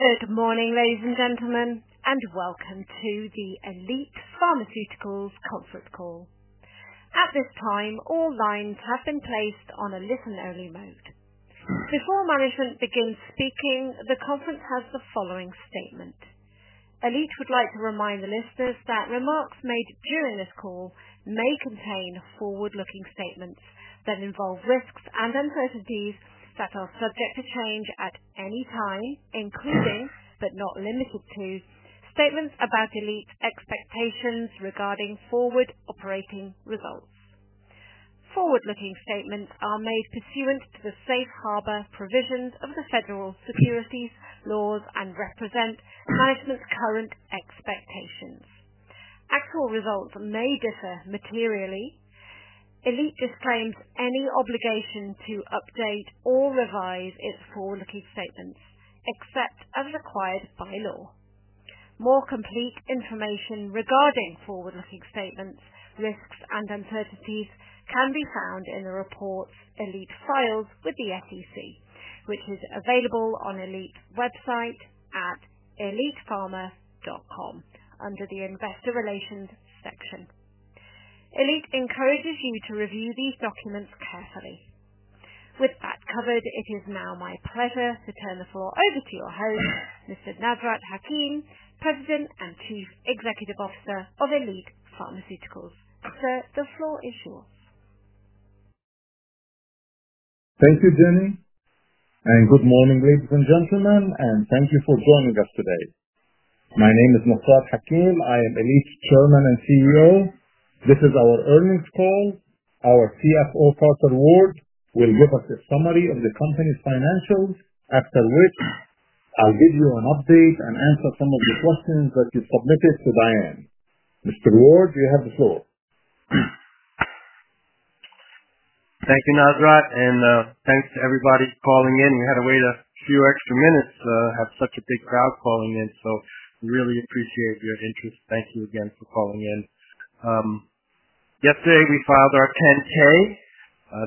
Good morning, ladies and gentlemen, and welcome to the Elite Pharmaceuticals conference call. At this time, all lines have been placed on a listen-only mode. Before management begins speaking, the conference has the following statement. Elite would like to remind the listeners that remarks made during this call may contain forward-looking statements that involve risks and uncertainties that are subject to change at any time, including, but not limited to, statements about Elite's expectations regarding forward-operating results. Forward-looking statements are made pursuant to the safe harbor provisions of the federal securities laws and represent management's current expectations. Actual results may differ materially. Elite disclaims any obligation to update or revise its forward-looking statements, except as required by law. More complete information regarding forward-looking statements, risks, and uncertainties can be found in the reports Elite files with the SEC, which is available on Elite's website at elitepharma.com under the Investor Relations section. Elite encourages you to review these documents carefully. With that covered, it is now my pleasure to turn the floor over to your host, Mr. Nasrat Hakim, President and Chief Executive Officer of Elite Pharmaceuticals. Sir, the floor is yours. Thank you, Jenny. Good morning, ladies and gentlemen, and thank you for joining us today. My name is Nasrat Hakim. I am Elite's Chairman and CEO. This is our earnings call. Our CFO, Carter Ward, will give us a summary of the company's financials, after which I'll give you an update and answer some of the questions that you submitted to Diane. Mr. Ward, you have the floor. Thank you, Nasrat, and thanks to everybody calling in. We had to wait a few extra minutes, we have such a big crowd calling in, so we really appreciate your interest. Thank you again for calling in. Yesterday, we filed our 10-K.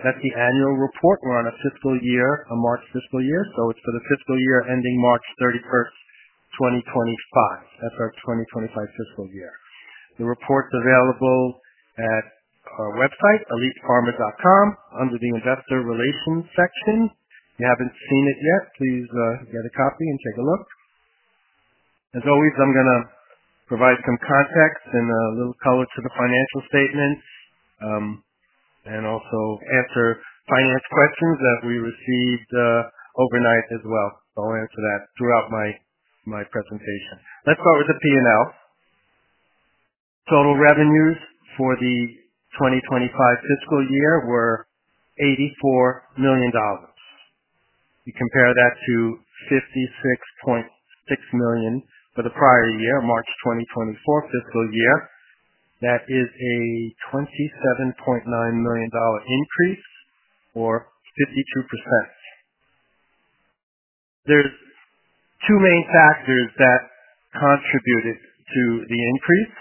That's the annual report. We're on a fiscal year, a March fiscal year, so it's for the fiscal year ending March 31, 2025. That's our 2025 fiscal year. The report's available at our website, elitepharma.com, under the Investor Relations section. If you haven't seen it yet, please get a copy and take a look. As always, I'm going to provide some context and a little color to the financial statements and also answer finance questions that we received overnight as well. I'll answer that throughout my presentation. Let's start with the P&L. Total revenues for the 2025 fiscal year were $84 million. You compare that to $56.6 million for the prior year, March 2024 fiscal year. That is a $27.9 million increase or 52%. There are two main factors that contributed to the increase.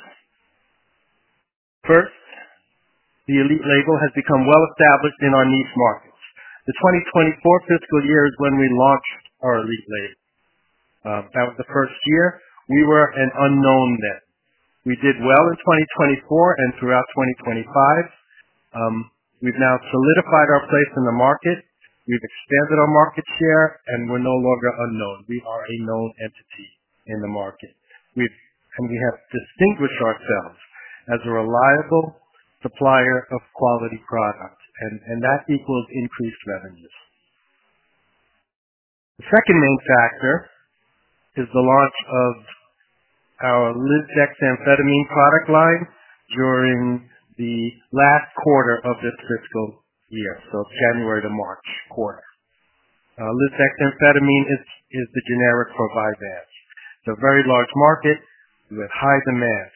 First, the Elite label has become well-established in our niche markets. The 2024 fiscal year is when we launched our Elite label. That was the first year. We were an unknown then. We did well in 2024 and throughout 2025. We have now solidified our place in the market. We have expanded our market share, and we are no longer unknown. We are a known entity in the market, and we have distinguished ourselves as a reliable supplier of quality products, and that equals increased revenues. The second main factor is the launch of our lisdexamfetamine product line during the last quarter of this fiscal year, so January to March quarter. Lisdexamfetamine is the generic for VYVANSE. It's a very large market with high demand.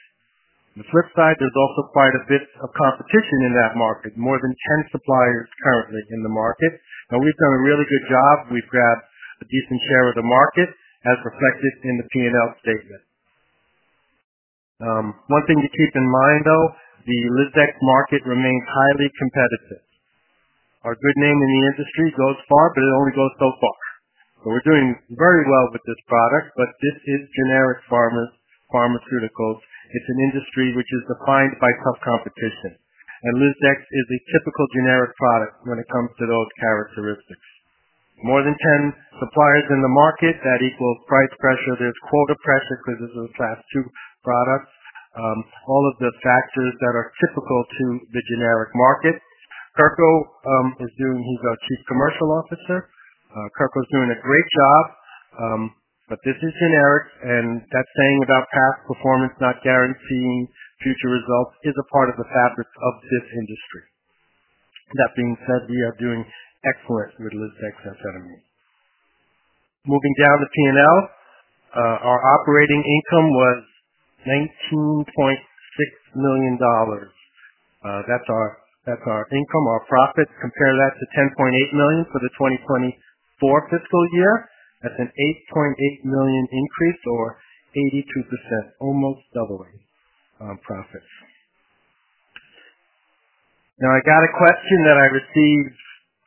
On the flip side, there's also quite a bit of competition in that market, more than 10 suppliers currently in the market. Now, we've done a really good job. We've grabbed a decent share of the market, as reflected in the P&L statement. One thing to keep in mind, though, the lisdexamfetamine market remains highly competitive. Our good name in the industry goes far, but it only goes so far. We're doing very well with this product, but this is generic pharmaceuticals. It's an industry which is defined by tough competition, and lisdexamfetamine is a typical generic product when it comes to those characteristics. More than 10 suppliers in the market, that equals price pressure. There's quota pressure because this is a class two product, all of the factors that are typical to the generic market. Kirko is doing—he's our Chief Commercial Officer. Kirko's doing a great job, but this is generic, and that saying about past performance not guaranteeing future results is a part of the fabric of this industry. That being said, we are doing excellent with lisdexamfetamine. Moving down the P&L, our operating income was $19.6 million. That's our income, our profits. Compare that to $10.8 million for the 2024 fiscal year. That's an $8.8 million increase or 82%, almost doubling profits. Now, I got a question that I receive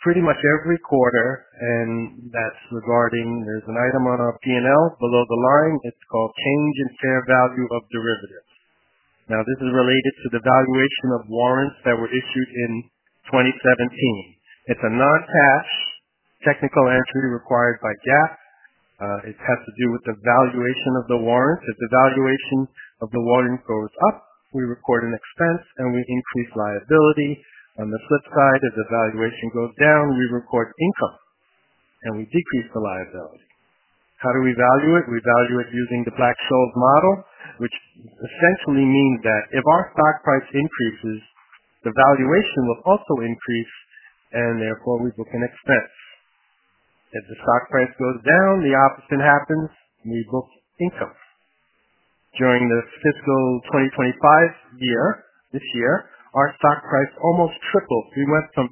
pretty much every quarter, and that's regarding—there's an item on our P&L below the line. It's called change in fair value of derivatives. Now, this is related to the valuation of warrants that were issued in 2017. It's a non-cash technical entry required by GAAP. It has to do with the valuation of the warrant. If the valuation of the warrant goes up, we record an expense, and we increase liability. On the flip side, if the valuation goes down, we record income, and we decrease the liability. How do we value it? We value it using the Black-Scholes model, which essentially means that if our stock price increases, the valuation will also increase, and therefore we book an expense. If the stock price goes down, the opposite happens. We book income. During the fiscal 2025 year, this year, our stock price almost tripled. We went from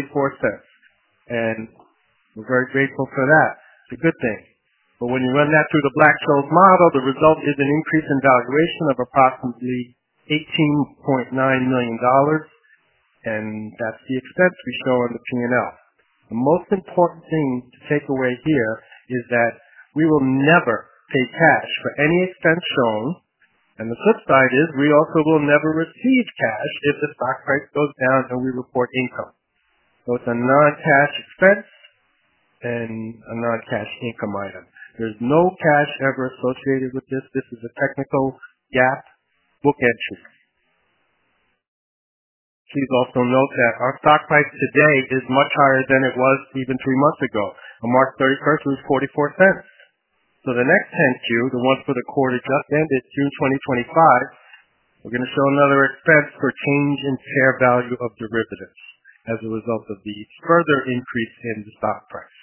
$0.15-$0.44, and we're very grateful for that. It's a good thing. When you run that through the Black-Scholes model, the result is an increase in valuation of approximately $18.9 million, and that's the expense we show on the P&L. The most important thing to take away here is that we will never pay cash for any expense shown, and the flip side is we also will never receive cash if the stock price goes down and we report income. So it's a non-cash expense and a non-cash income item. There's no cash ever associated with this. This is a technical GAAP book entry. Please also note that our stock price today is much higher than it was even three months ago. On March 31, it was $0.44. The next 10Q, the one for the quarter just ended, June 2025, we're going to show another expense for change in fair value of derivatives as a result of the further increase in the stock price.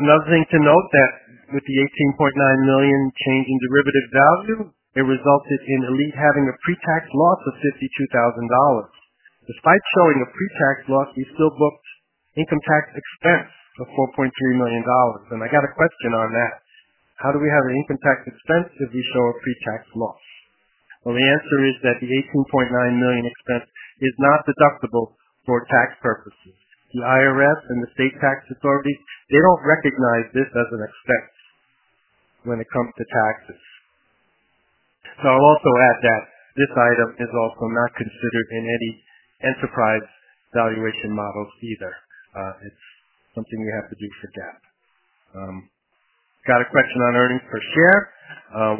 Another thing to note that with the $18.9 million change in derivative value, it resulted in Elite having a pre-tax loss of $52,000. Despite showing a pre-tax loss, we still booked income tax expense of $4.3 million, and I got a question on that. How do we have an income tax expense if we show a pre-tax loss? The answer is that the $18.9 million expense is not deductible for tax purposes. The IRS and the state tax authorities, they do not recognize this as an expense when it comes to taxes. I will also add that this item is also not considered in any enterprise valuation models either. It is something we have to do for GAAP. Got a question on earnings per share,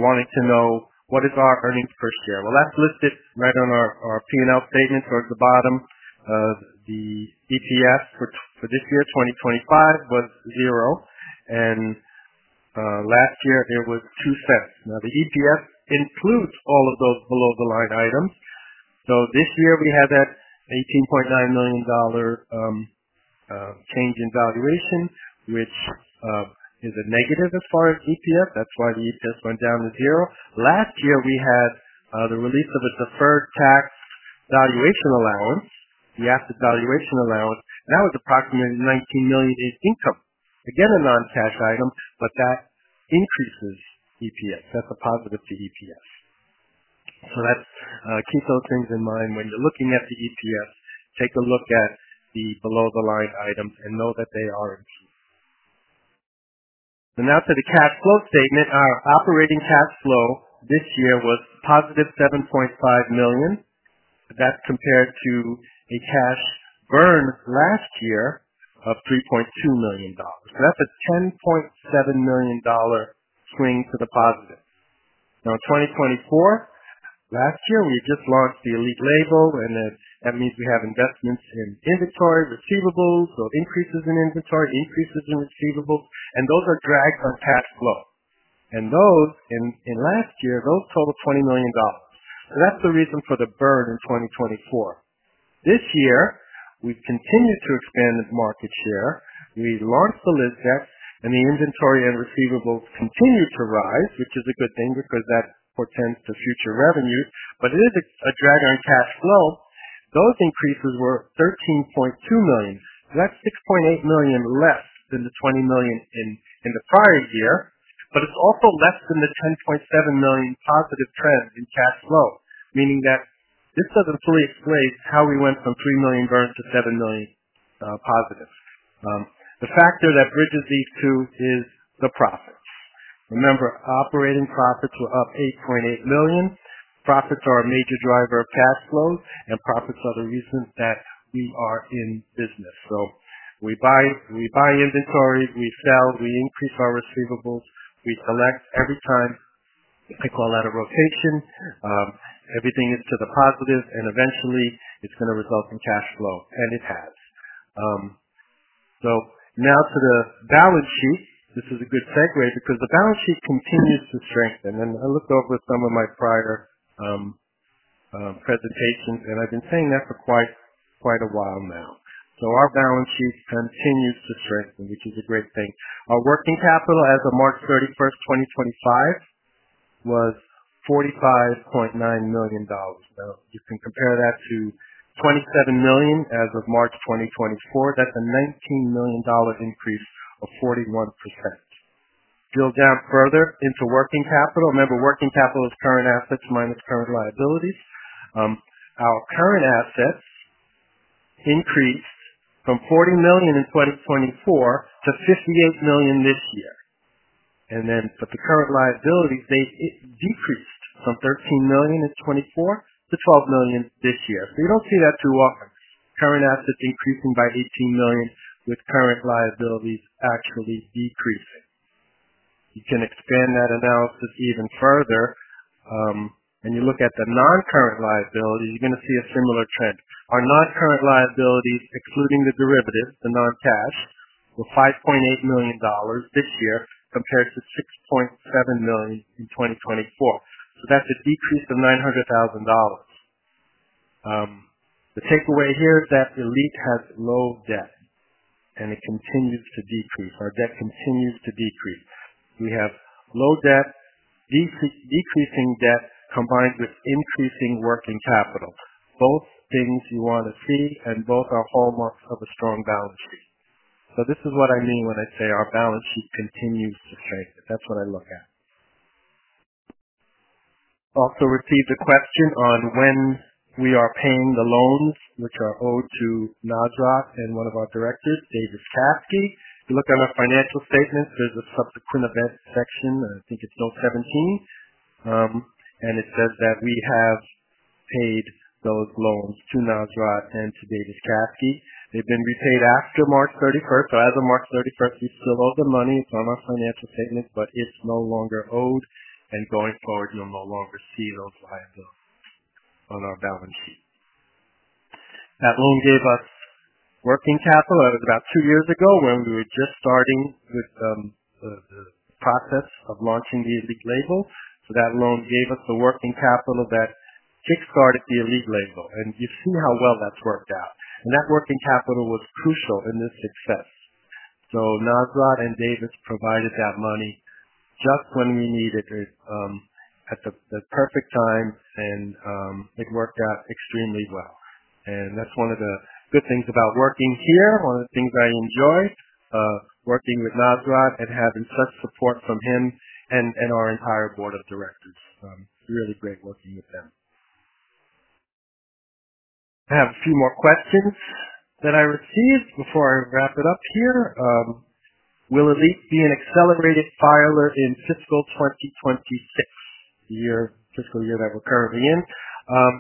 wanting to know what is our earnings per share. That is listed right on our P&L statement towards the bottom. The EPS for this year, 2025, was zero, and last year it was $0.02. The EPS includes all of those below-the-line items. This year we had that $18.9 million change in valuation, which is a negative as far as EPS. That is why the EPS went down to zero. Last year we had the release of a deferred tax valuation allowance, the asset valuation allowance. That was approximately $19 million in income. Again, a non-cash item, but that increases EPS. That is a positive to EPS. Keep those things in mind when you are looking at the EPS. Take a look at the below-the-line items and know that they are income. Now to the cash flow statement. Our operating cash flow this year was +$7.5 million. That is compared to a cash burn last year of $3.2 million. That is a $10.7 million swing to the positive. Now, in 2024, last year we had just launched the Elite label, and that means we have investments in inventory, receivables, so increases in inventory, increases in receivables, and those are dragged on cash flow. Those, in last year, those totaled $20 million. That is the reason for the burn in 2024. This year we have continued to expand the market share. We launched the lisdex, and the inventory and receivables continue to rise, which is a good thing because that portends to future revenues, but it is a drag on cash flow. Those increases were $13.2 million. That is $6.8 million less than the $20 million in the prior year, but it is also less than the $10.7 million positive trend in cash flow, meaning that this does not fully explain how we went from $3 million burn to $7 million positive. The factor that bridges these two is the profits. Remember, operating profits were up $8.8 million. Profits are a major driver of cash flow, and profits are the reason that we are in business. So we buy inventory, we sell, we increase our receivables, we collect every time. I call that a rotation. Everything is to the positive, and eventually it's going to result in cash flow, and it has. Now to the balance sheet. This is a good segue because the balance sheet continues to strengthen, and I looked over some of my prior presentations, and I've been saying that for quite a while now. Our balance sheet continues to strengthen, which is a great thing. Our working capital as of March 31, 2025, was $45.9 million. Now, you can compare that to $27 million as of March 2024. That's a $19 million increase of 41%. Drill down further into working capital. Remember, working capital is current assets minus current liabilities. Our current assets increased from $40 million in 2024 to $58 million this year, but the current liabilities, they decreased from $13 million in 2024 to $12 million this year. You do not see that too often. Current assets increasing by $18 million with current liabilities actually decreasing. You can expand that analysis even further, and you look at the non-current liabilities, you are going to see a similar trend. Our non-current liabilities, excluding the derivatives, the non-cash, were $5.8 million this year compared to $6.7 million in 2024. That is a decrease of $900,000. The takeaway here is that Elite has low debt, and it continues to decrease. Our debt continues to decrease. We have low debt, decreasing debt combined with increasing working capital. Both things you want to see, and both are hallmarks of a strong balance sheet. This is what I mean when I say our balance sheet continues to strengthen. That's what I look at. Also received a question on when we are paying the loans which are owed to Nasrat and one of our directors, Davis Caskey. If you look on our financial statements, there's a subsequent event section. I think it's note 17, and it says that we have paid those loans to Nasrat and to Davis Caskey. They've been repaid after March 31, 2025. As of March 31, 2025, we still owe the money. It's on our financial statements, but it's no longer owed, and going forward, you'll no longer see those liabilities on our balance sheet. That loan gave us working capital. That was about two years ago when we were just starting with the process of launching the Elite label. That loan gave us the working capital that kickstarted the Elite label, and you see how well that's worked out. That working capital was crucial in this success. Nasrat and Davis provided that money just when we needed it at the perfect time, and it worked out extremely well. That's one of the good things about working here, one of the things I enjoyed, working with Nasrat and having such support from him and our entire board of directors. Really great working with them. I have a few more questions that I received before I wrap it up here. Will Elite be an accelerated filer in fiscal 2026, the fiscal year that we're currently in?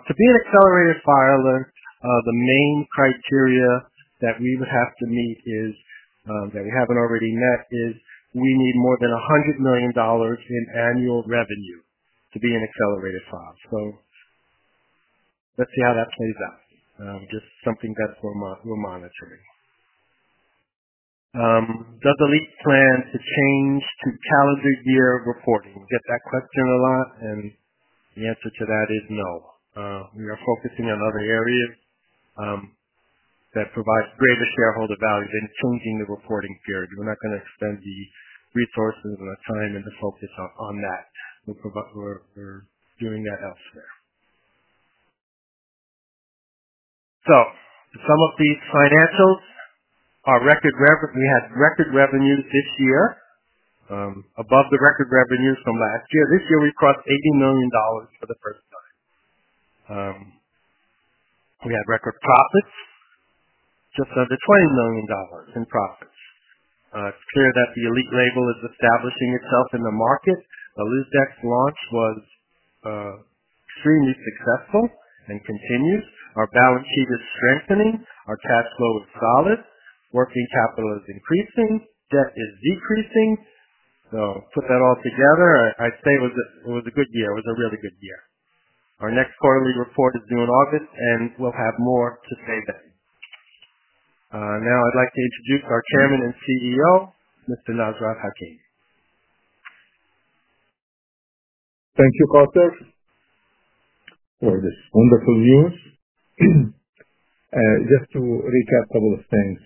To be an accelerated filer, the main criteria that we would have to meet that we have not already met is we need more than $100 million in annual revenue to be an accelerated filer. Let's see how that plays out. Just something that we are monitoring. Does Elite plan to change to calendar year reporting? We get that question a lot, and the answer to that is no. We are focusing on other areas that provide greater shareholder value than changing the reporting period. We are not going to extend the resources and the time and the focus on that. We are doing that elsewhere. Some of these financials, our record revenue, we had record revenues this year above the record revenues from last year. This year we crossed $80 million for the first time. We had record profits, just under $20 million in profits. It's clear that the Elite label is establishing itself in the market. The lisdex launch was extremely successful and continues. Our balance sheet is strengthening. Our cash flow is solid. Working capital is increasing. Debt is decreasing. Put that all together, I'd say it was a good year. It was a really good year. Our next quarterly report is due in August, and we'll have more to say then. Now I'd like to introduce our Chairman and CEO, Mr. Nasrat Hakim. Thank you, Carter. For this wonderful news. Just to recap a couple of things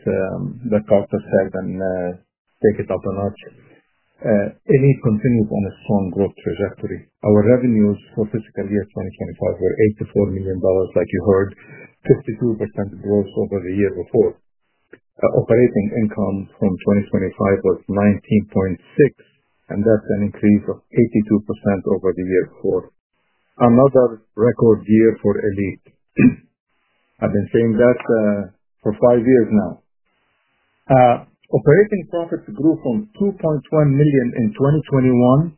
that Carter said and take it up a notch. Elite continues on a strong growth trajectory. Our revenues for fiscal year 2025 were $84 million, like you heard, 52% growth over the year before. Operating income from 2025 was $19.6 million, and that's an increase of 82% over the year before. Another record year for Elite. I've been saying that for five years now. Operating profits grew from $2.1 million in 2021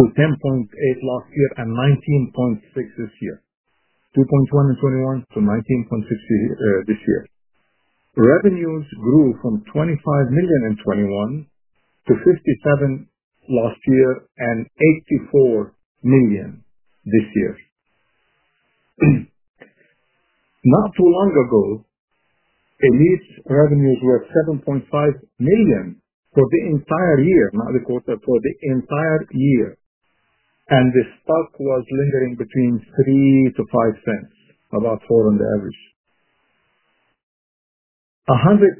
to $10.8 million last year and $19.6 million this year. $2.1 million in 2021 to $19.6 million this year. Revenues grew from $25 million in 2021 to $57 million last year and $84 million this year. Not too long ago, Elite's revenues were $7.5 million for the entire year, not the quarter, for the entire year, and the stock was lingering between $0.03-$0.05, about four on the average. $100,000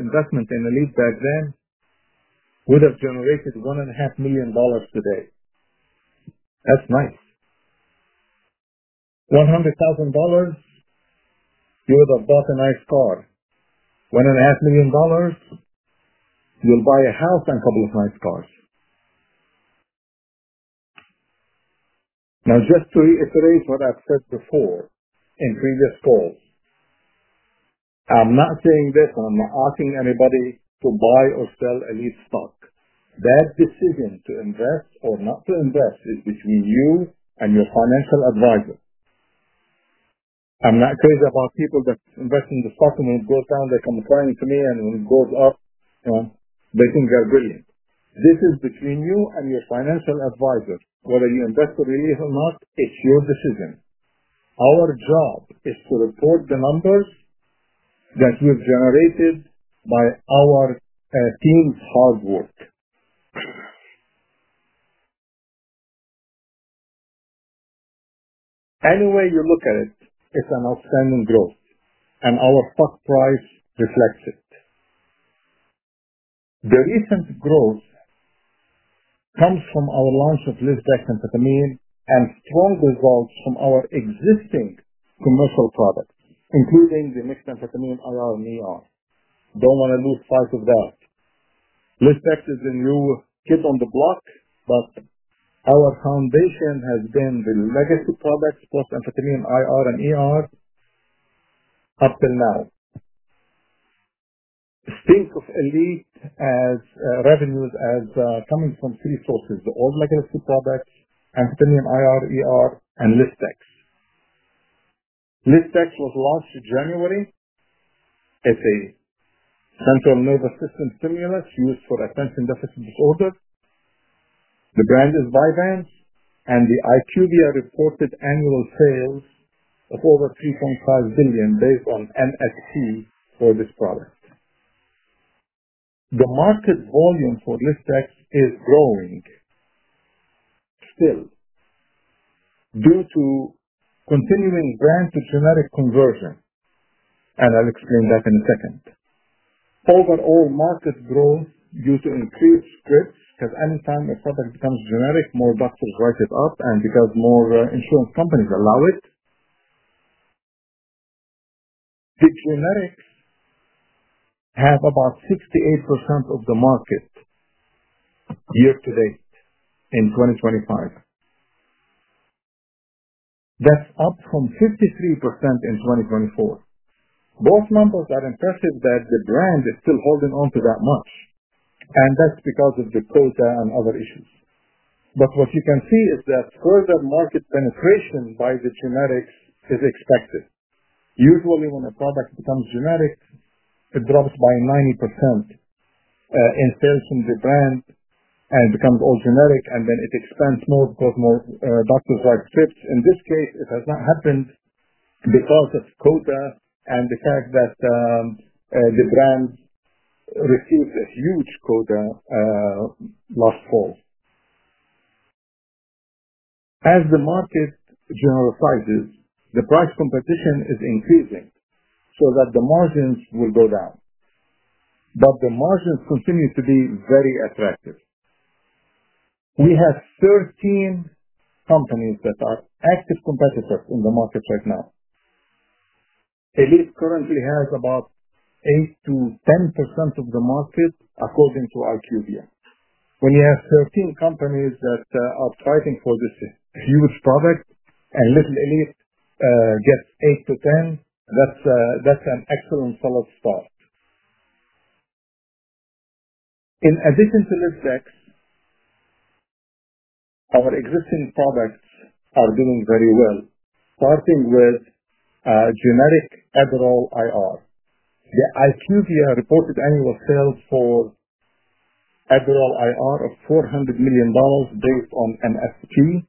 investment in Elite back then would have generated $1.5 million today. That's nice. $100,000, you would have bought a nice car. $1.5 million, you'll buy a house and a couple of nice cars. Now, just to reiterate what I've said before in previous calls, I'm not saying this, and I'm not asking anybody to buy or sell Elite stock. That decision to invest or not to invest is between you and your financial advisor. I'm not crazy about people that invest in the stock, and when it goes down, they come crying to me, and when it goes up, they think they're brilliant. This is between you and your financial advisor. Whether you invest in Elite or not, it's your decision. Our job is to report the numbers that we've generated by our team's hard work. Any way you look at it, it's an outstanding growth, and our stock price reflects it. The recent growth comes from our launch of lisdexamfetamine and strong results from our existing commercial products, including the mixed amphetamine IR, and do not want to lose sight of that. lisdexamfetamine is the new kid on the block, but our foundation has been the legacy products, both amphetamine IR and AR up till now. Think of Elite as revenues coming from three sources: the old legacy products, amphetamine IR, ER, and lisdex. Lisdex was launched in January. It's a central nervous system stimulus used for attention deficit disorder. The brand is VYVANSE, and the IQVIA reported annual sales of over $3.5 billion based on MSP for this product. The market volume for lisdex is growing still due to continuing brand-to-generic conversion, and I'll explain that in a second. Overall market growth due to increased scripts, because anytime a product becomes generic, more doctors write it up, and because more insurance companies allow it. The generics have about 68% of the market year to date in 2025. That's up from 53% in 2024. Both numbers are impressive that the brand is still holding on to that much, and that's because of the quota and other issues. What you can see is that further market penetration by the generics is expected. Usually, when a product becomes generic, it drops by 90% in sales from the brand and becomes all generic, and then it expands more because more doctors write scripts. In this case, it has not happened because of quota and the fact that the brand received a huge quota last fall. As the market generalizes, the price competition is increasing so that the margins will go down, but the margins continue to be very attractive. We have 13 companies that are active competitors in the market right now. Elite currently has about 8%-10% of the market according to IQVIA. When you have 13 companies that are fighting for this huge product and little Elite gets 8%-10%, that's an excellent solid start. In addition to lisdex, our existing products are doing very well, starting with generic Adderall IR. The IQVIA reported annual sales for Adderall IR of $400 million based on MSP,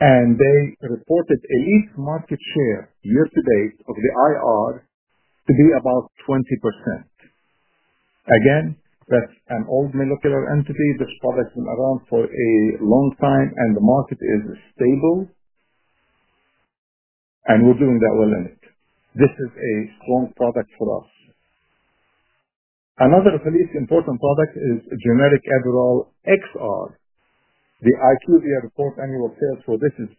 and they reported Elite's market share year to date of the IR to be about 20%. Again, that's an old molecular entity. This product has been around for a long time, and the market is stable, and we're doing that well in it. This is a strong product for us. Another Elite important product is generic Adderall XR. The IQVIA reports annual sales for this is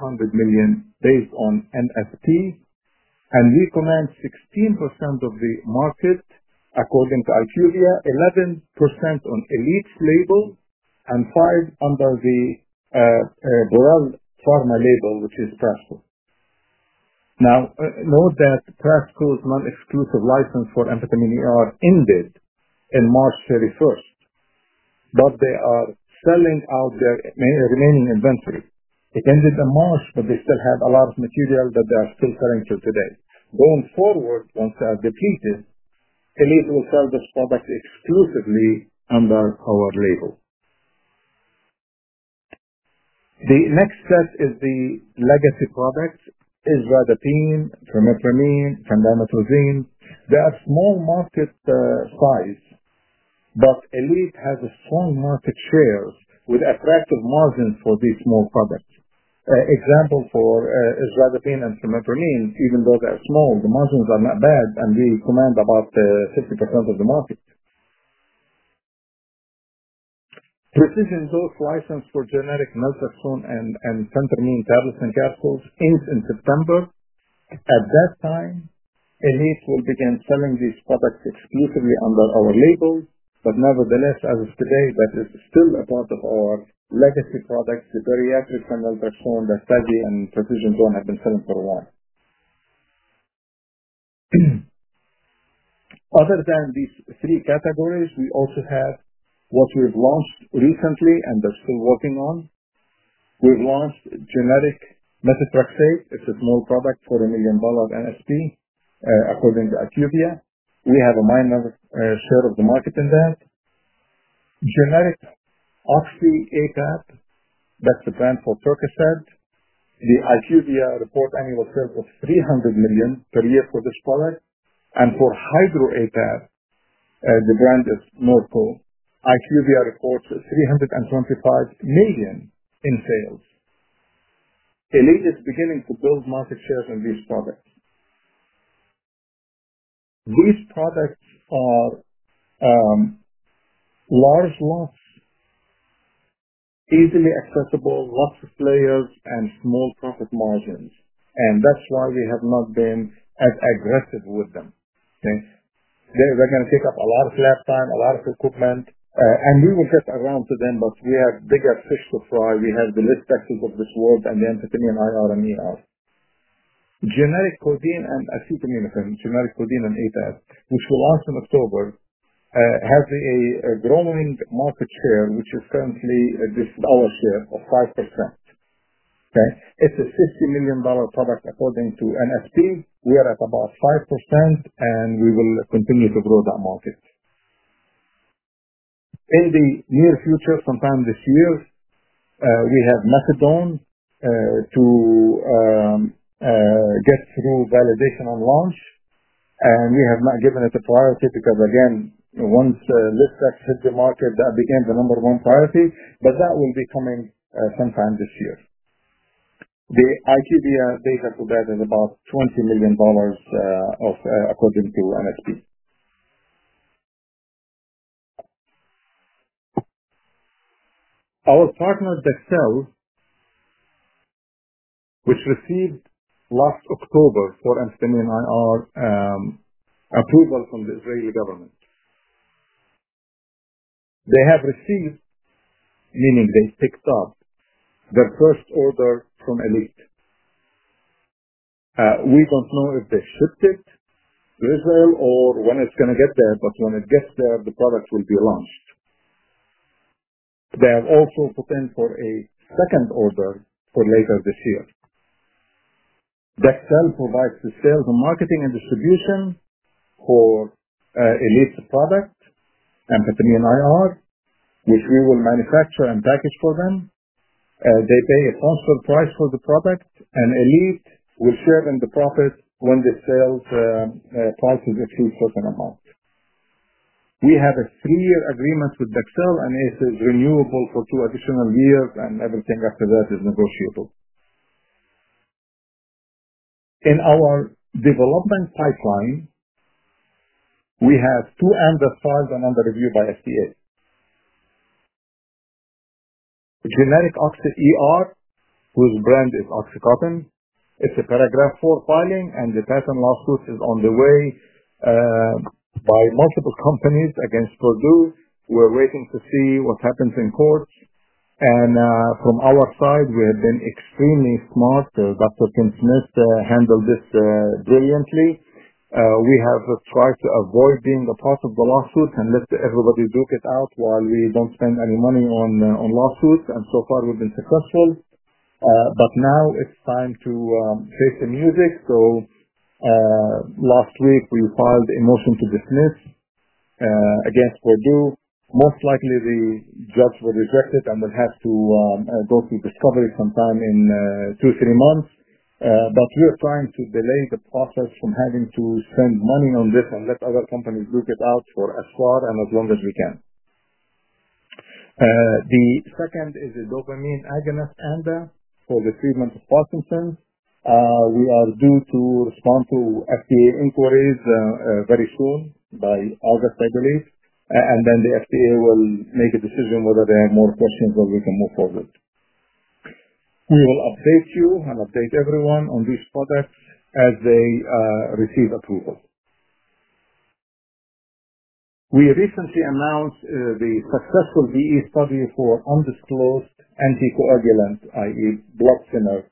$800 million based on MSP, and we command 16% of the market according to IQVIA, 11% on Elite's label, and 5% under the Prasco label, which is Prasco. Now, note that Prasco's non-exclusive license for amphetamine AR ended on March 31, but they are selling out their remaining inventory. It ended in March, but they still have a lot of material that they are still selling till today. Going forward, once they are depleted, Elite will sell this product exclusively under our label. The next set is the legacy products: azathioprine, trimethoprim, and methotrexate. They are small market size, but Elite has a strong market share with attractive margins for these small products. Example for azathioprine and trimethoprim, even though they are small, the margins are not bad, and we command about 50% of the market. Precision Dose license for generic naltrexone and phentermine tablets and capsules ends in September. At that time, Elite will begin selling these products exclusively under our label, but nevertheless, as of today, that is still a part of our legacy products, the bariatrics and naltrexone that TAGI and Precision Dose have been selling for a while. Other than these three categories, we also have what we've launched recently and are still working on. We've launched generic methotrexate. It's a small product for a $1 million MSP according to IQVIA. We have a minor share of the market in that. Generic oxy APAP, that's the brand for PERCOCET. The IQVIA reports annual sales of $300 million per year for this product. For Hydro APAP, the brand is NORCO. IQVIA reports $325 million in sales. Elite is beginning to build market shares in these products. These products are large lots, easily accessible, lots of players, and small profit margins, and that's why we have not been as aggressive with them. They're going to take up a lot of lap time, a lot of equipment, and we will get around to them, but we have bigger fish to fry. We have the lisdex's of this world and the amphetamine IR and generic codeine and acetaminophen, generic codeine and APAP, which we launched in October, has a growing market share, which is currently our share of 5%. It's a $50 million product according to MSP. We're at about 5%, and we will continue to grow that market. In the near future, sometime this year, we have methadone to get through validation and launch, and we have not given it a priority because, again, once lisdex hit the market, that became the number one priority, but that will be coming sometime this year. The IQVIA data for that is about $20 million according to MSP. Our partner Dexcel, which received last October for amphetamine IR approval from the Israeli government, they have received, meaning they picked up, their first order from Elite. We do not know if they shipped it to Israel or when it is going to get there, but when it gets there, the product will be launched. They have also put in for a second order for later this year. Dexcel provides the sales and marketing and distribution for Elite's product, amphetamine IR, which we will manufacture and package for them. They pay a sponsored price for the product, and Elite will share in the profit when the sales prices exceed a certain amount. We have a three-year agreement with Dexcel, and it is renewable for two additional years, and everything after that is negotiable. In our development pipeline, we have two amphetamine files and under review by FDA. Generic oxy ER whose brand is OXYCONTIN, it's a paragraph four filing, and the patent lawsuit is on the way by multiple companies against Purdue. We're waiting to see what happens in court. From our side, we have been extremely smart. Dr. Kim Smith handled this brilliantly. We have tried to avoid being a part of the lawsuit and let everybody duke it out while we don't spend any money on lawsuits, and so far, we've been successful. Now it's time to face the music. Last week, we filed a motion to dismiss against Purdue. Most likely, the judge will reject it and we will have to go through discovery sometime in two to three months. We are trying to delay the process from having to spend money on this and let other companies duke it out for as far and as long as we can. The second is a dopamine agonist AMDA for the treatment of Parkinson's. We are due to respond to FDA inquiries very soon, by August, I believe, and then the FDA will make a decision whether they have more questions or we can move forward. We will update you and update everyone on these products as they receive approval. We recently announced the successful BE study for undisclosed anticoagulant, i.e., blood thinner.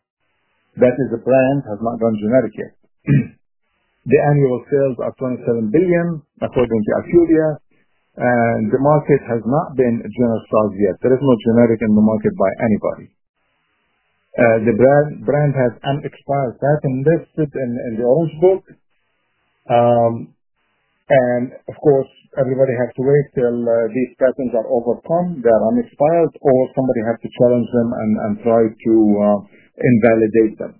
That is a brand that has not gone generic yet. The annual sales are $27 billion according to IQVIA, and the market has not been generalized yet. There is no generic in the market by anybody. The brand has unexpired patent listed in the Orange Book, and of course, everybody has to wait till these patents are overcome. They are unexpired, or somebody has to challenge them and try to invalidate them.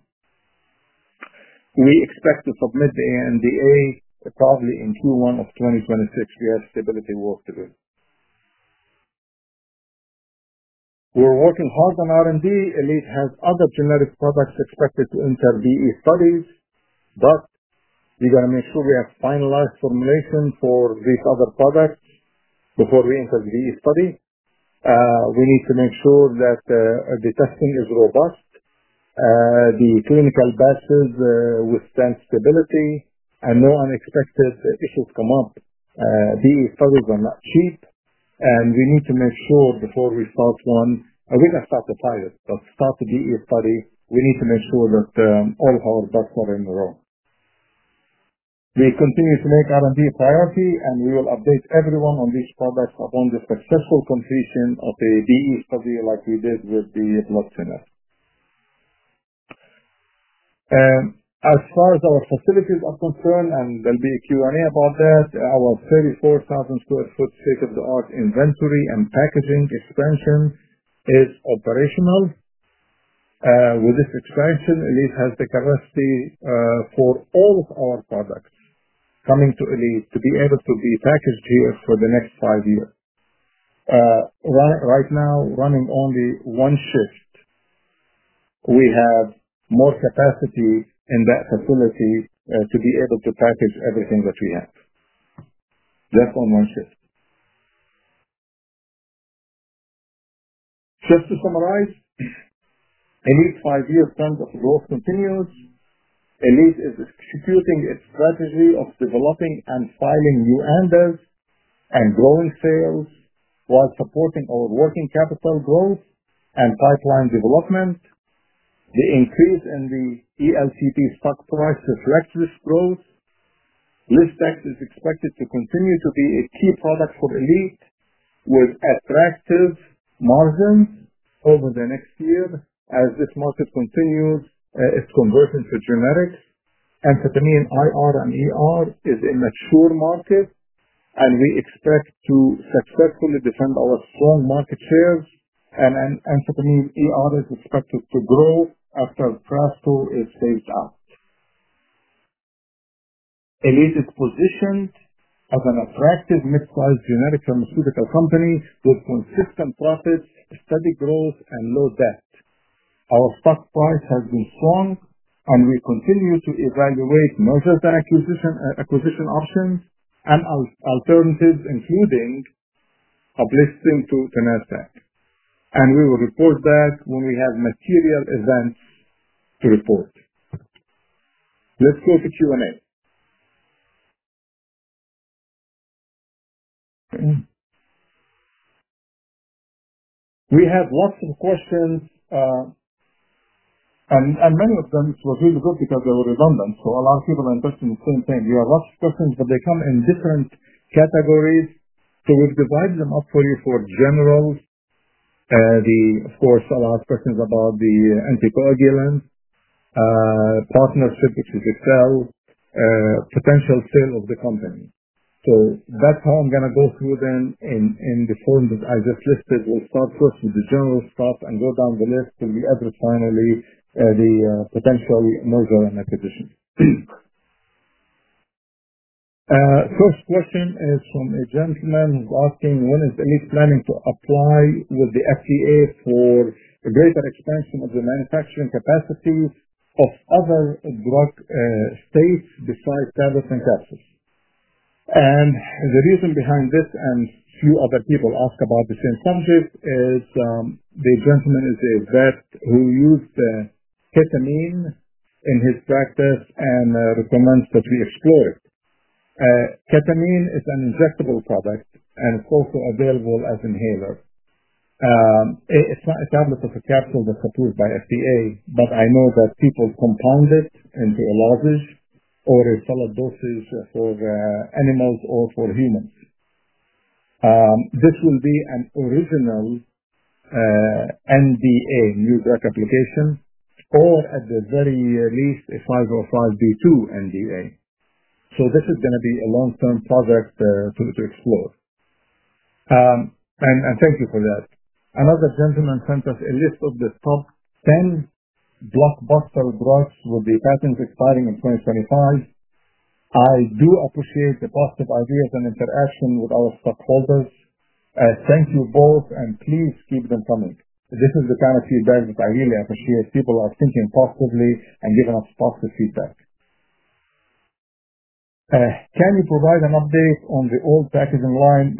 We expect to submit the ANDA probably in Q1 of 2026. We have stability work to do. We're working hard on R&D. Elite has other generic products expected to enter BE studies, but we're going to make sure we have finalized formulation for these other products before we enter the BE study. We need to make sure that the testing is robust, the clinical batches withstand stability, and no unexpected issues come up. DE studies are not cheap, and we need to make sure before we start one—we're going to start a pilot, but start the DE study—we need to make sure that all of our docs are in the room. We continue to make R&D a priority, and we will update everyone on these products upon the successful completion of a DE study like we did with the blood thinner. As far as our facilities are concerned, and there will be a Q&A about that, our 34,000 sq ft state-of-the-art inventory and packaging expansion is operational. With this expansion, Elite has the capacity for all of our products coming to Elite to be able to be packaged here for the next five years. Right now, running only one shift, we have more capacity in that facility to be able to package everything that we have. Just on one shift. Just to summarize, Elite's five-year trend of growth continues. Elite is executing its strategy of developing and filing new ANDAs and growing sales while supporting our working capital growth and pipeline development. The increase in the ELTP stock price reflects this growth. Lisdex is expected to continue to be a key product for Elite with attractive margins over the next year as this market continues its convergence for generics. Amphetamine IR and ER is a mature market, and we expect to successfully defend our strong market shares, and amphetamine ER is expected to grow after Prasco is phased out. Elite is positioned as an attractive mid-sized generic pharmaceutical company with consistent profits, steady growth, and low debt. Our stock price has been strong, and we continue to evaluate naltrexone acquisition options and alternatives, including uplifting to Nasdaq, and we will report back when we have material events to report. Let's go to Q&A. We have lots of questions, and many of them were really good because they were redundant, so a lot of people are interested in the same thing. We have lots of questions, but they come in different categories, so we've divided them up for you for general. Of course, a lot of questions about the anticoagulant partnership, which is Dexcel, potential sale of the company. That's how I'm going to go through them in the form that I just listed. We'll start first with the general stuff and go down the list till we address finally the potential naltrexone acquisition. First question is from a gentleman who's asking, "When is Elite planning to apply with the FDA for a greater expansion of the manufacturing capacity of other drug states besides tablets and capsules?" The reason behind this, and a few other people ask about the same subject, is the gentleman is a vet who used ketamine in his practice and recommends that we explore it. Ketamine is an injectable product, and it's also available as an inhaler. It's not a tablet or a capsule that's approved by FDA, but I know that people compound it into a lozenge or a solid dosage for animals or for humans. This will be an original NDA, new drug application, or at the very least a 505B2 NDA. This is going to be a long-term project to explore. Thank you for that. Another gentleman sent us a list of the top 10 blockbuster drugs with the patents expiring in 2025. I do appreciate the positive ideas and interaction with our stockholders. Thank you both, and please keep them coming. This is the kind of feedback that I really appreciate. People are thinking positively and giving us positive feedback. Can you provide an update on the old packaging line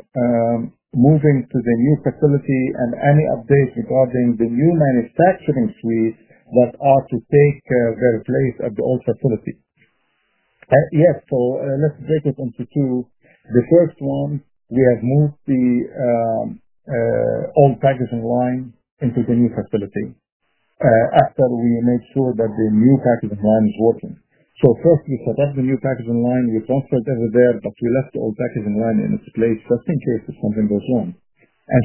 moving to the new facility and any updates regarding the new manufacturing suites that are to take their place at the old facility? Yes. Let's break it into two. The first one, we have moved the old packaging line into the new facility after we made sure that the new packaging line is working. First, we set up the new packaging line. We transferred everything there, but we left the old packaging line in its place just in case if something goes wrong.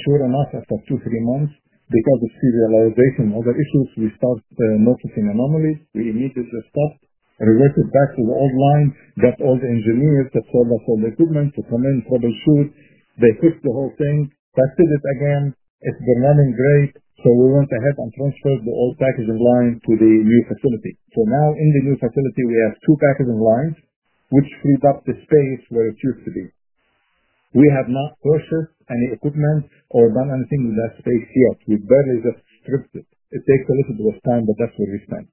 Sure enough, after two to three months, because of serialization and other issues, we started noticing anomalies. We immediately stopped, reverted back to the old line, got all the engineers that sold us all the equipment to come in, troubleshoot. They fixed the whole thing, tested it again. It has been running great, so we went ahead and transferred the old packaging line to the new facility. Now, in the new facility, we have two packaging lines, which freed up the space where it used to be. We have not purchased any equipment or done anything with that space yet. We have barely just stripped it. It takes a little bit of time, but that is what we spent.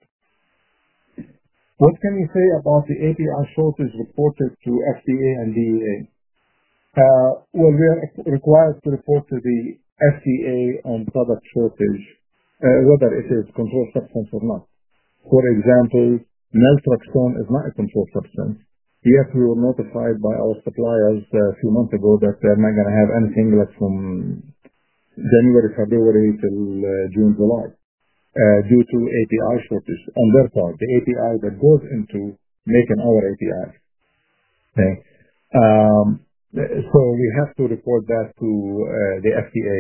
What can you say about the API shortage reported to FDA and DEA? We are required to report to the FDA on product shortage, whether it is a controlled substance or not. For example, naltrexone is not a controlled substance. Yes, we were notified by our suppliers a few months ago that they're not going to have anything from January, February, till June, July due to API shortage on their part, the API that goes into making our API. We have to report that to the FDA.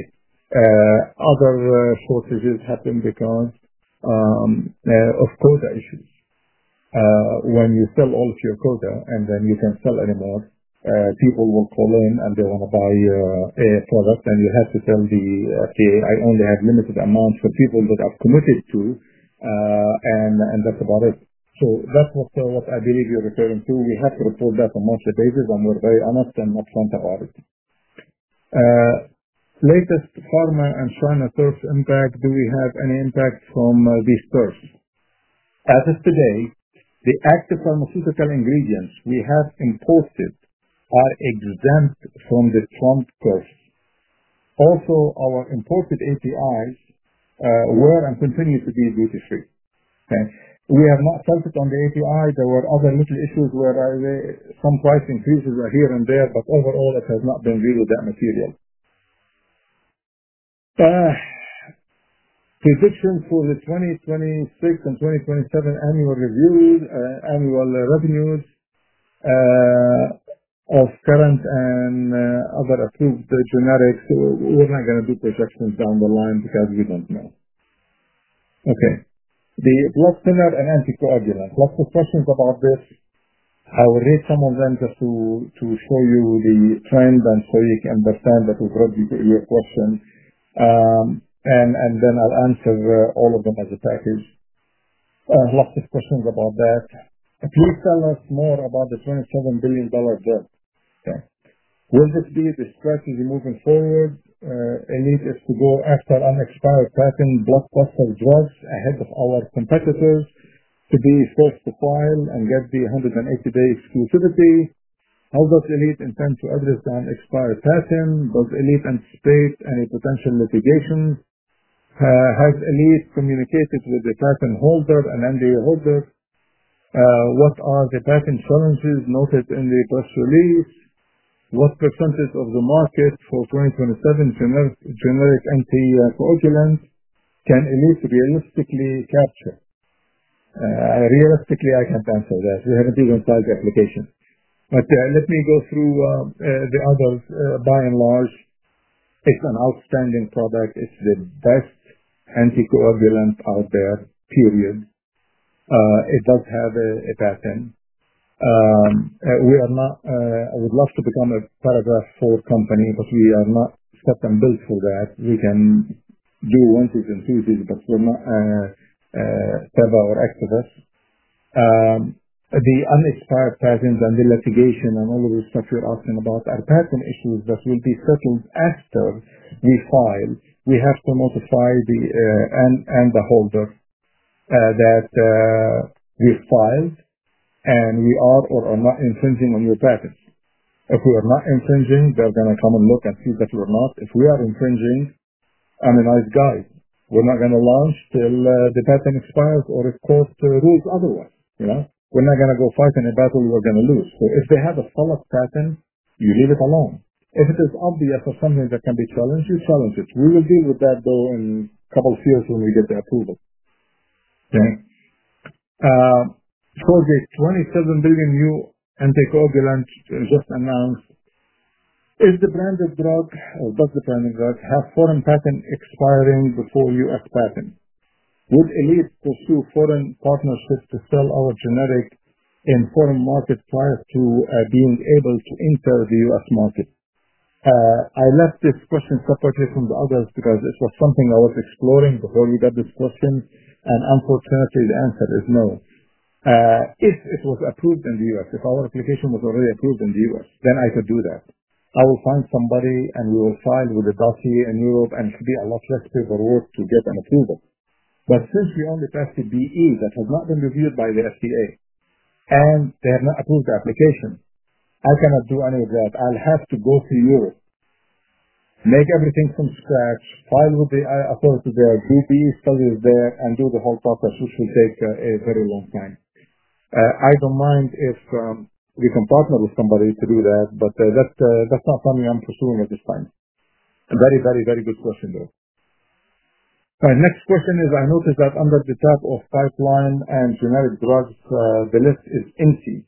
Other shortages happen because of quota issues. When you sell all of your quota, and then you can't sell anymore, people will call in and they want to buy a product, and you have to tell the FDA, "I only have limited amounts for people that I've committed to," and that's about it. That is what I believe you're referring to. We have to report that on a monthly basis, and we're very honest and upfront about it. Latest pharma and China tax impact. Do we have any impact from these tax? As of today, the active pharmaceutical ingredients we have imported are exempt from the Trump tax. Also, our imported APIs were and continue to be duty-free. We have not felt it on the API. There were other little issues where some price increases are here and there, but overall, it has not been really that material. Predictions for the 2026 and 2027 annual reviews, annual revenues of current and other approved generics. We're not going to do projections down the line because we don't know. Okay. The blood thinner and anticoagulant. Lots of questions about this. I will read some of them just to show you the trend and so you can understand that we've read your question, and then I'll answer all of them as a package. Lots of questions about that. Please tell us more about the $27 billion debt. Will this be the strategy moving forward? Elite is to go after unexpired patent blockbuster drugs ahead of our competitors to be forced to file and get the 180-day exclusivity. How does Elite intend to address the unexpired patent? Does Elite anticipate any potential litigation? Has Elite communicated with the patent holder and NDA holder? What are the patent challenges noted in the press release? What percentage of the market for 2027 generic anticoagulant can Elite realistically capture? Realistically, I can't answer that. We haven't even filed the application. Let me go through the others. By and large, it's an outstanding product. It's the best anticoagulant out there. It does have a patent. We would love to become a paragraph four company, but we are not set and built for that. We can do onesies and twosies but not EBA or Exivus. The unexpired patents and the litigation and all of this stuff you're asking about are patent issues that will be settled after we file. We have to notify the end holder that we filed and we are or are not infringing on your patents. If we are not infringing, they're going to come and look and see that we're not. If we are infringing, I'm a nice guy. We're not going to launch till the patent expires or if court rules otherwise. We're not going to go fight in a battle we're going to lose. If they have a solid patent, you leave it alone. If it is obvious or something that can be challenged, you challenge it. We will deal with that, though, in a couple of years when we get the approval. For the $27 billion new anticoagulant just announced, is the branded drug or does the branded drug have foreign patent expiring before U.S. patent? Would Elite pursue foreign partnerships to sell our generic in foreign markets prior to being able to enter the U.S. market? I left this question separately from the others because it was something I was exploring before you got this question, and unfortunately, the answer is no. If it was approved in the U.S., if our application was already approved in the U.S., then I could do that. I will find somebody, and we will file with the DACA in Europe, and it should be a lot less paperwork to get an approval. Since we only passed the BE that has not been reviewed by the FDA, and they have not approved the application, I cannot do any of that. I'll have to go to Europe, make everything from scratch, file with the authority there, do BE studies there, and do the whole process, which will take a very long time. I don't mind if we can partner with somebody to do that, but that's not something I'm pursuing at this time. Very, very, very good question, though. All right. Next question is, I noticed that under the tab of pipeline and generic drugs, the list is empty.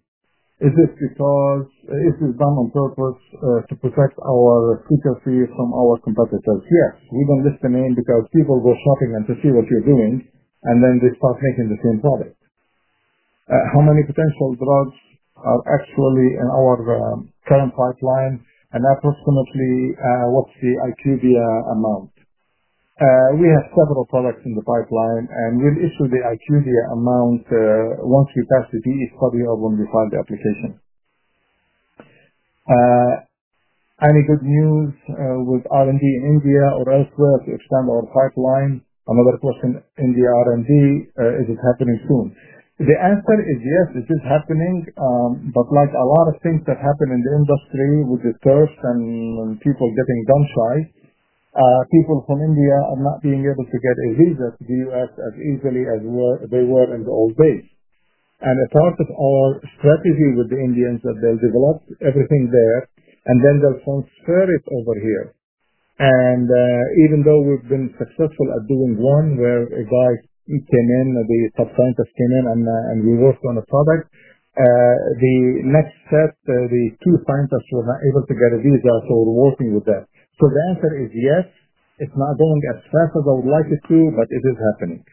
Is it because it is done on purpose to protect our secrecy from our competitors? Yes. We don't list the name because people go shopping and to see what you're doing, and then they start making the same product. How many potential drugs are actually in our current pipeline, and approximately what's the IQVIA amount? We have several products in the pipeline, and we'll issue the IQVIA amount once we pass the BE study or when we file the application. Any good news with R&D in India or elsewhere to expand our pipeline? Another question, India R&D, is it happening soon? The answer is yes, it is happening, but like a lot of things that happen in the industry with the tax and people getting gun-shy, people from India are not being able to get a visa to the U.S. as easily as they were in the old days. A part of our strategy with the Indians is that they'll develop everything there, and then they'll transfer it over here. Even though we've been successful at doing one where a guy came in, the top scientist came in, and we worked on a product, the next set, the two scientists were not able to get a visa, so we're working with that. The answer is yes. It's not going as fast as I would like it to, but it is happening.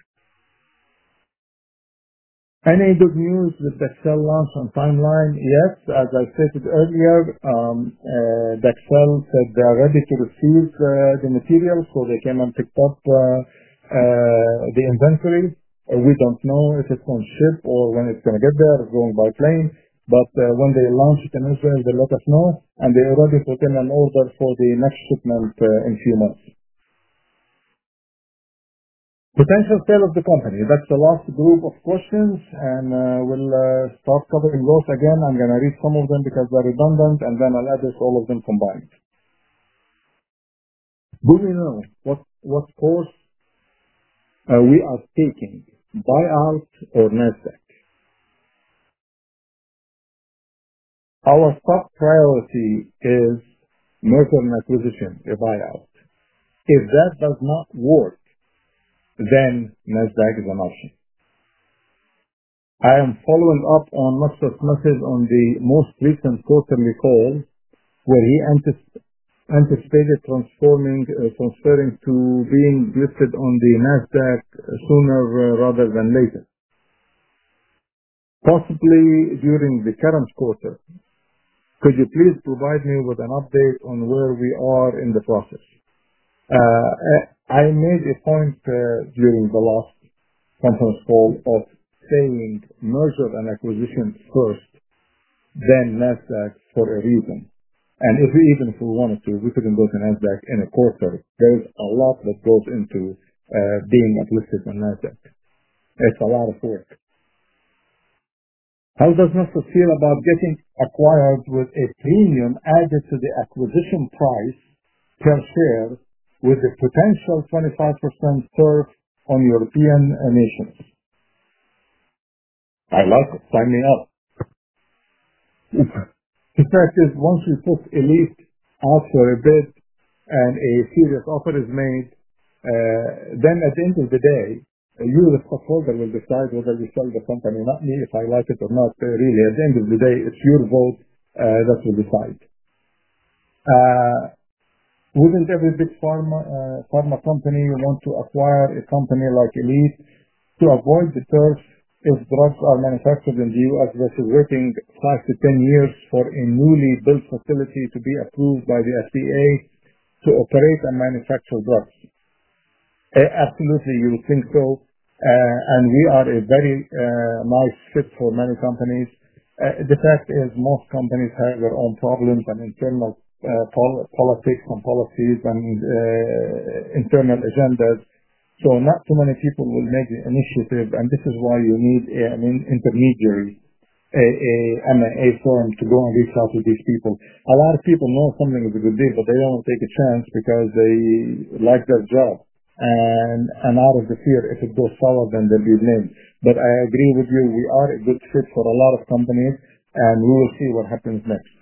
Any good news with Dexcel launch and timeline? Yes. As I stated earlier, Dexcel said they're ready to receive the materials, so they came and picked up the inventory. We don't know if it's on ship or when it's going to get there. It's going by plane, but when they launch it in Israel, they'll let us know, and they already put in an order for the next shipment in a few months. Potential sale of the company. That's the last group of questions, and we'll start covering those again. I'm going to read some of them because they're redundant, and then I'll address all of them combined. Do we know what course we are taking, buyout or Nasdaq? Our top priority is merger and acquisition, a buyout. If that does not work, then Nasdaq is an option. I am following up on Nasdaq's message on the most recent quarterly call where he anticipated transferring to being listed on the Nasdaq sooner rather than later, possibly during the current quarter. Could you please provide me with an update on where we are in the process? I made a point during the last conference call of saying merger and acquisition first, then Nasdaq for a reason. Even if we wanted to, we couldn't go to Nasdaq in a quarter. There is a lot that goes into being uplisted on Nasdaq. It's a lot of work. How does Nasdaq feel about getting acquired with a premium added to the acquisition price per share with the potential 25% turf on European nations? I like it. Sign me up. The fact is, once we put Elite out for a bid and a serious offer is made, then at the end of the day, you, the stockholder, will decide whether you sell the company, not me, if I like it or not. Really, at the end of the day, it's your vote that will decide. Wouldn't every big pharma company want to acquire a company like Elite to avoid the turf if drugs are manufactured in the U.S. versus waiting 5 years-10 years for a newly built facility to be approved by the FDA to operate and manufacture drugs? Absolutely, you would think so. We are a very nice fit for many companies. The fact is, most companies have their own problems and internal politics and policies and internal agendas. Not too many people will make the initiative, and this is why you need an intermediary, a MAA firm to go and reach out to these people. A lot of people know something is a good deal, but they do not want to take a chance because they like their job. Out of the fear, if it goes solid, then they will be blamed. I agree with you. We are a good fit for a lot of companies, and we will see what happens next.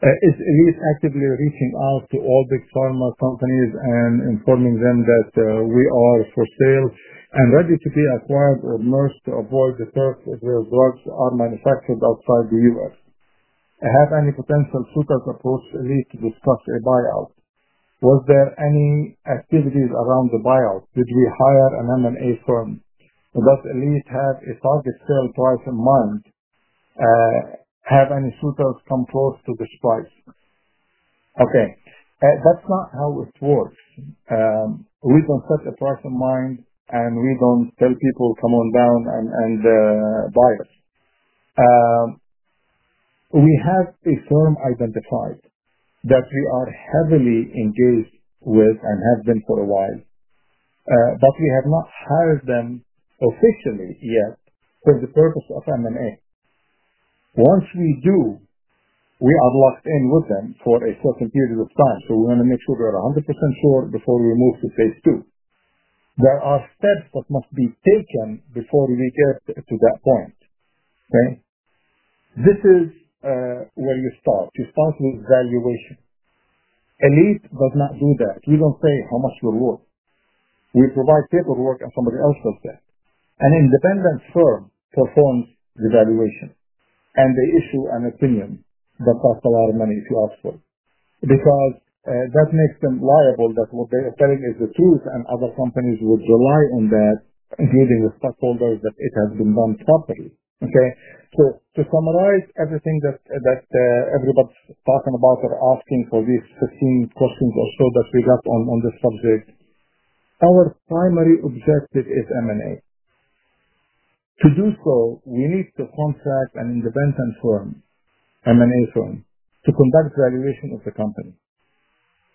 Is Elite actively reaching out to all big pharma companies and informing them that we are for sale and ready to be acquired or merged to avoid the turf if their drugs are manufactured outside the U.S.? Have any potential suitors approached Elite to discuss a buyout? Was there any activity around the buyout? Did we hire an M&A firm? Does Elite have a target sale price in mind? Have any suitors come close to this price? Okay. That's not how it works. We don't set a price in mind, and we don't tell people, "Come on down and buy us." We have a firm identified that we are heavily engaged with and have been for a while, but we have not hired them officially yet for the purpose of M&A. Once we do, we are locked in with them for a certain period of time. We want to make sure we are 100% sure before we move to phase II. There are steps that must be taken before we get to that point. Okay? This is where you start. You start with valuation. Elite does not do that. We do not say how much we are worth. We provide paperwork, and somebody else does that. An independent firm performs the valuation, and they issue an opinion that costs a lot of money if you ask for it because that makes them liable that what they are selling is the truth, and other companies would rely on that, including the stockholders. It has been done properly. Okay? To summarize everything that everybody is talking about or asking for these 15 questions or so that we got on this subject, our primary objective is M&A. To do so, we need to contract an independent firm, M&A firm, to conduct valuation of the company.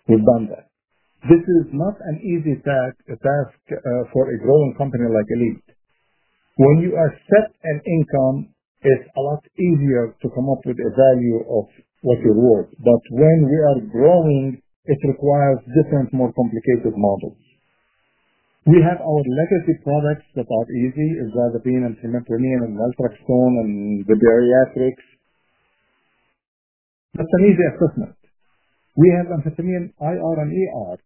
We've done that. This is not an easy task for a growing company like Elite. When you are set an income, it's a lot easier to come up with a value of what you're worth. When we are growing, it requires different, more complicated models. We have our legacy products that are easy: azathioprine, and trimethoprim, and naltrexone, and the bariatrics. That's an easy assessment. We have amphetamine IR and ER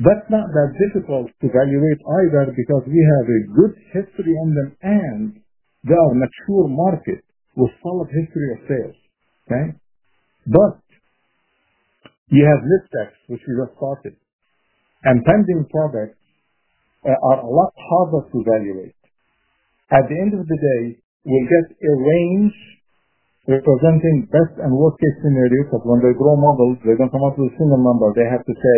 that's not that difficult to valuate either because we have a good history on them, and they are a mature market with a solid history of sales. Okay? You have lisdexa, which we just started. Pending products are a lot harder to valuate. At the end of the day, we'll get a range representing best and worst-case scenarios because when they grow models, they don't come up with a single number. They have to say,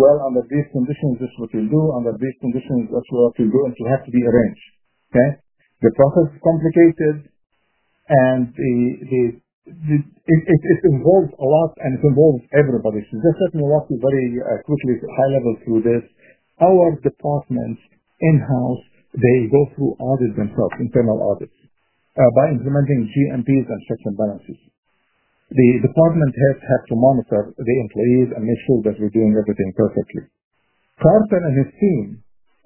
"Well, under these conditions, this is what you'll do. Under these conditions, that's what you'll do." It will have to be a range. Okay? The process is complicated, and it involves a lot, and it involves everybody. Just let me walk you very quickly, high level, through this. Our departments in-house, they go through audits themselves, internal audits, by implementing GMPs and checks and balances. The department heads have to monitor the employees and make sure that we're doing everything perfectly. Carter and his team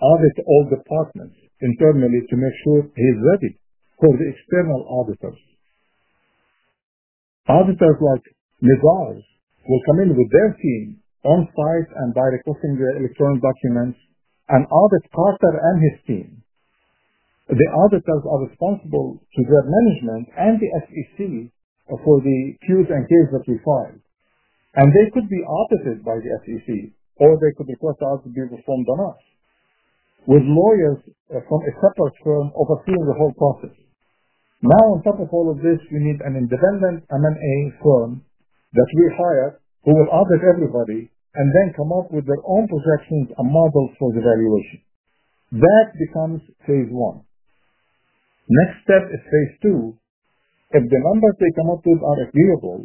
audit all departments internally to make sure he's ready for the external auditors. Auditors like Nigos will come in with their team on-site and by requesting the electronic documents and audit Carter and his team. The auditors are responsible to their management and the SEC for the Qs and Ks that we filed. They could be audited by the SEC, or they could request the audit to be performed on us, with lawyers from a separate firm overseeing the whole process. Now, on top of all of this, we need an independent M&A firm that we hire who will audit everybody and then come up with their own projections and models for the valuation. That becomes phase one. Next step is phase II. If the numbers they come up with are agreeable,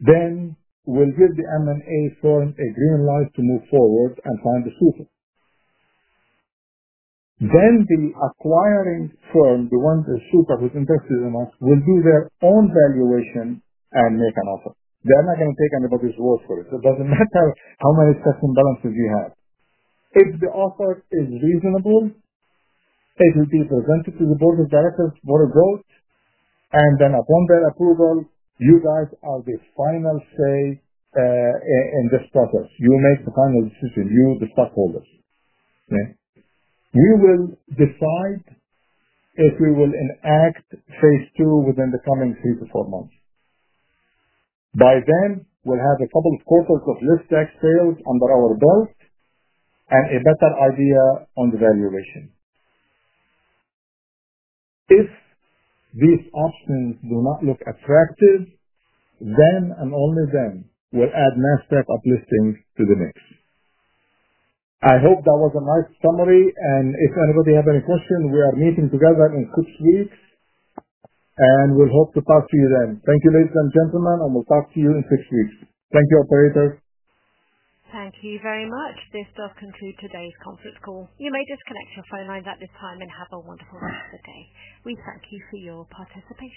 then we'll give the M&A firm a green light to move forward and find a suitor. The acquiring firm, the one that the suitor is interested in us, will do their own valuation and make an offer. They're not going to take anybody's word for it. It doesn't matter how many checks and balances you have. If the offer is reasonable, it will be presented to the board of directors, board of growth, and then upon their approval, you guys are the final say in this process. You make the final decision, you, the stockholders. Okay? We will decide if we will enact phase II within the coming three months-four months. By then, we'll have a couple of quarters of Niptex sales under our belt and a better idea on the valuation. If these options do not look attractive, then and only then we'll add Nasdaq uplisting to the mix. I hope that was a nice summary, and if anybody has any questions, we are meeting together in six weeks, and we'll hope to talk to you then. Thank you, ladies and gentlemen, and we'll talk to you in six weeks. Thank you, operators. Thank you very much. This does conclude today's conference call. You may disconnect your phone lines at this time and have a wonderful rest of the day. We thank you for your participation.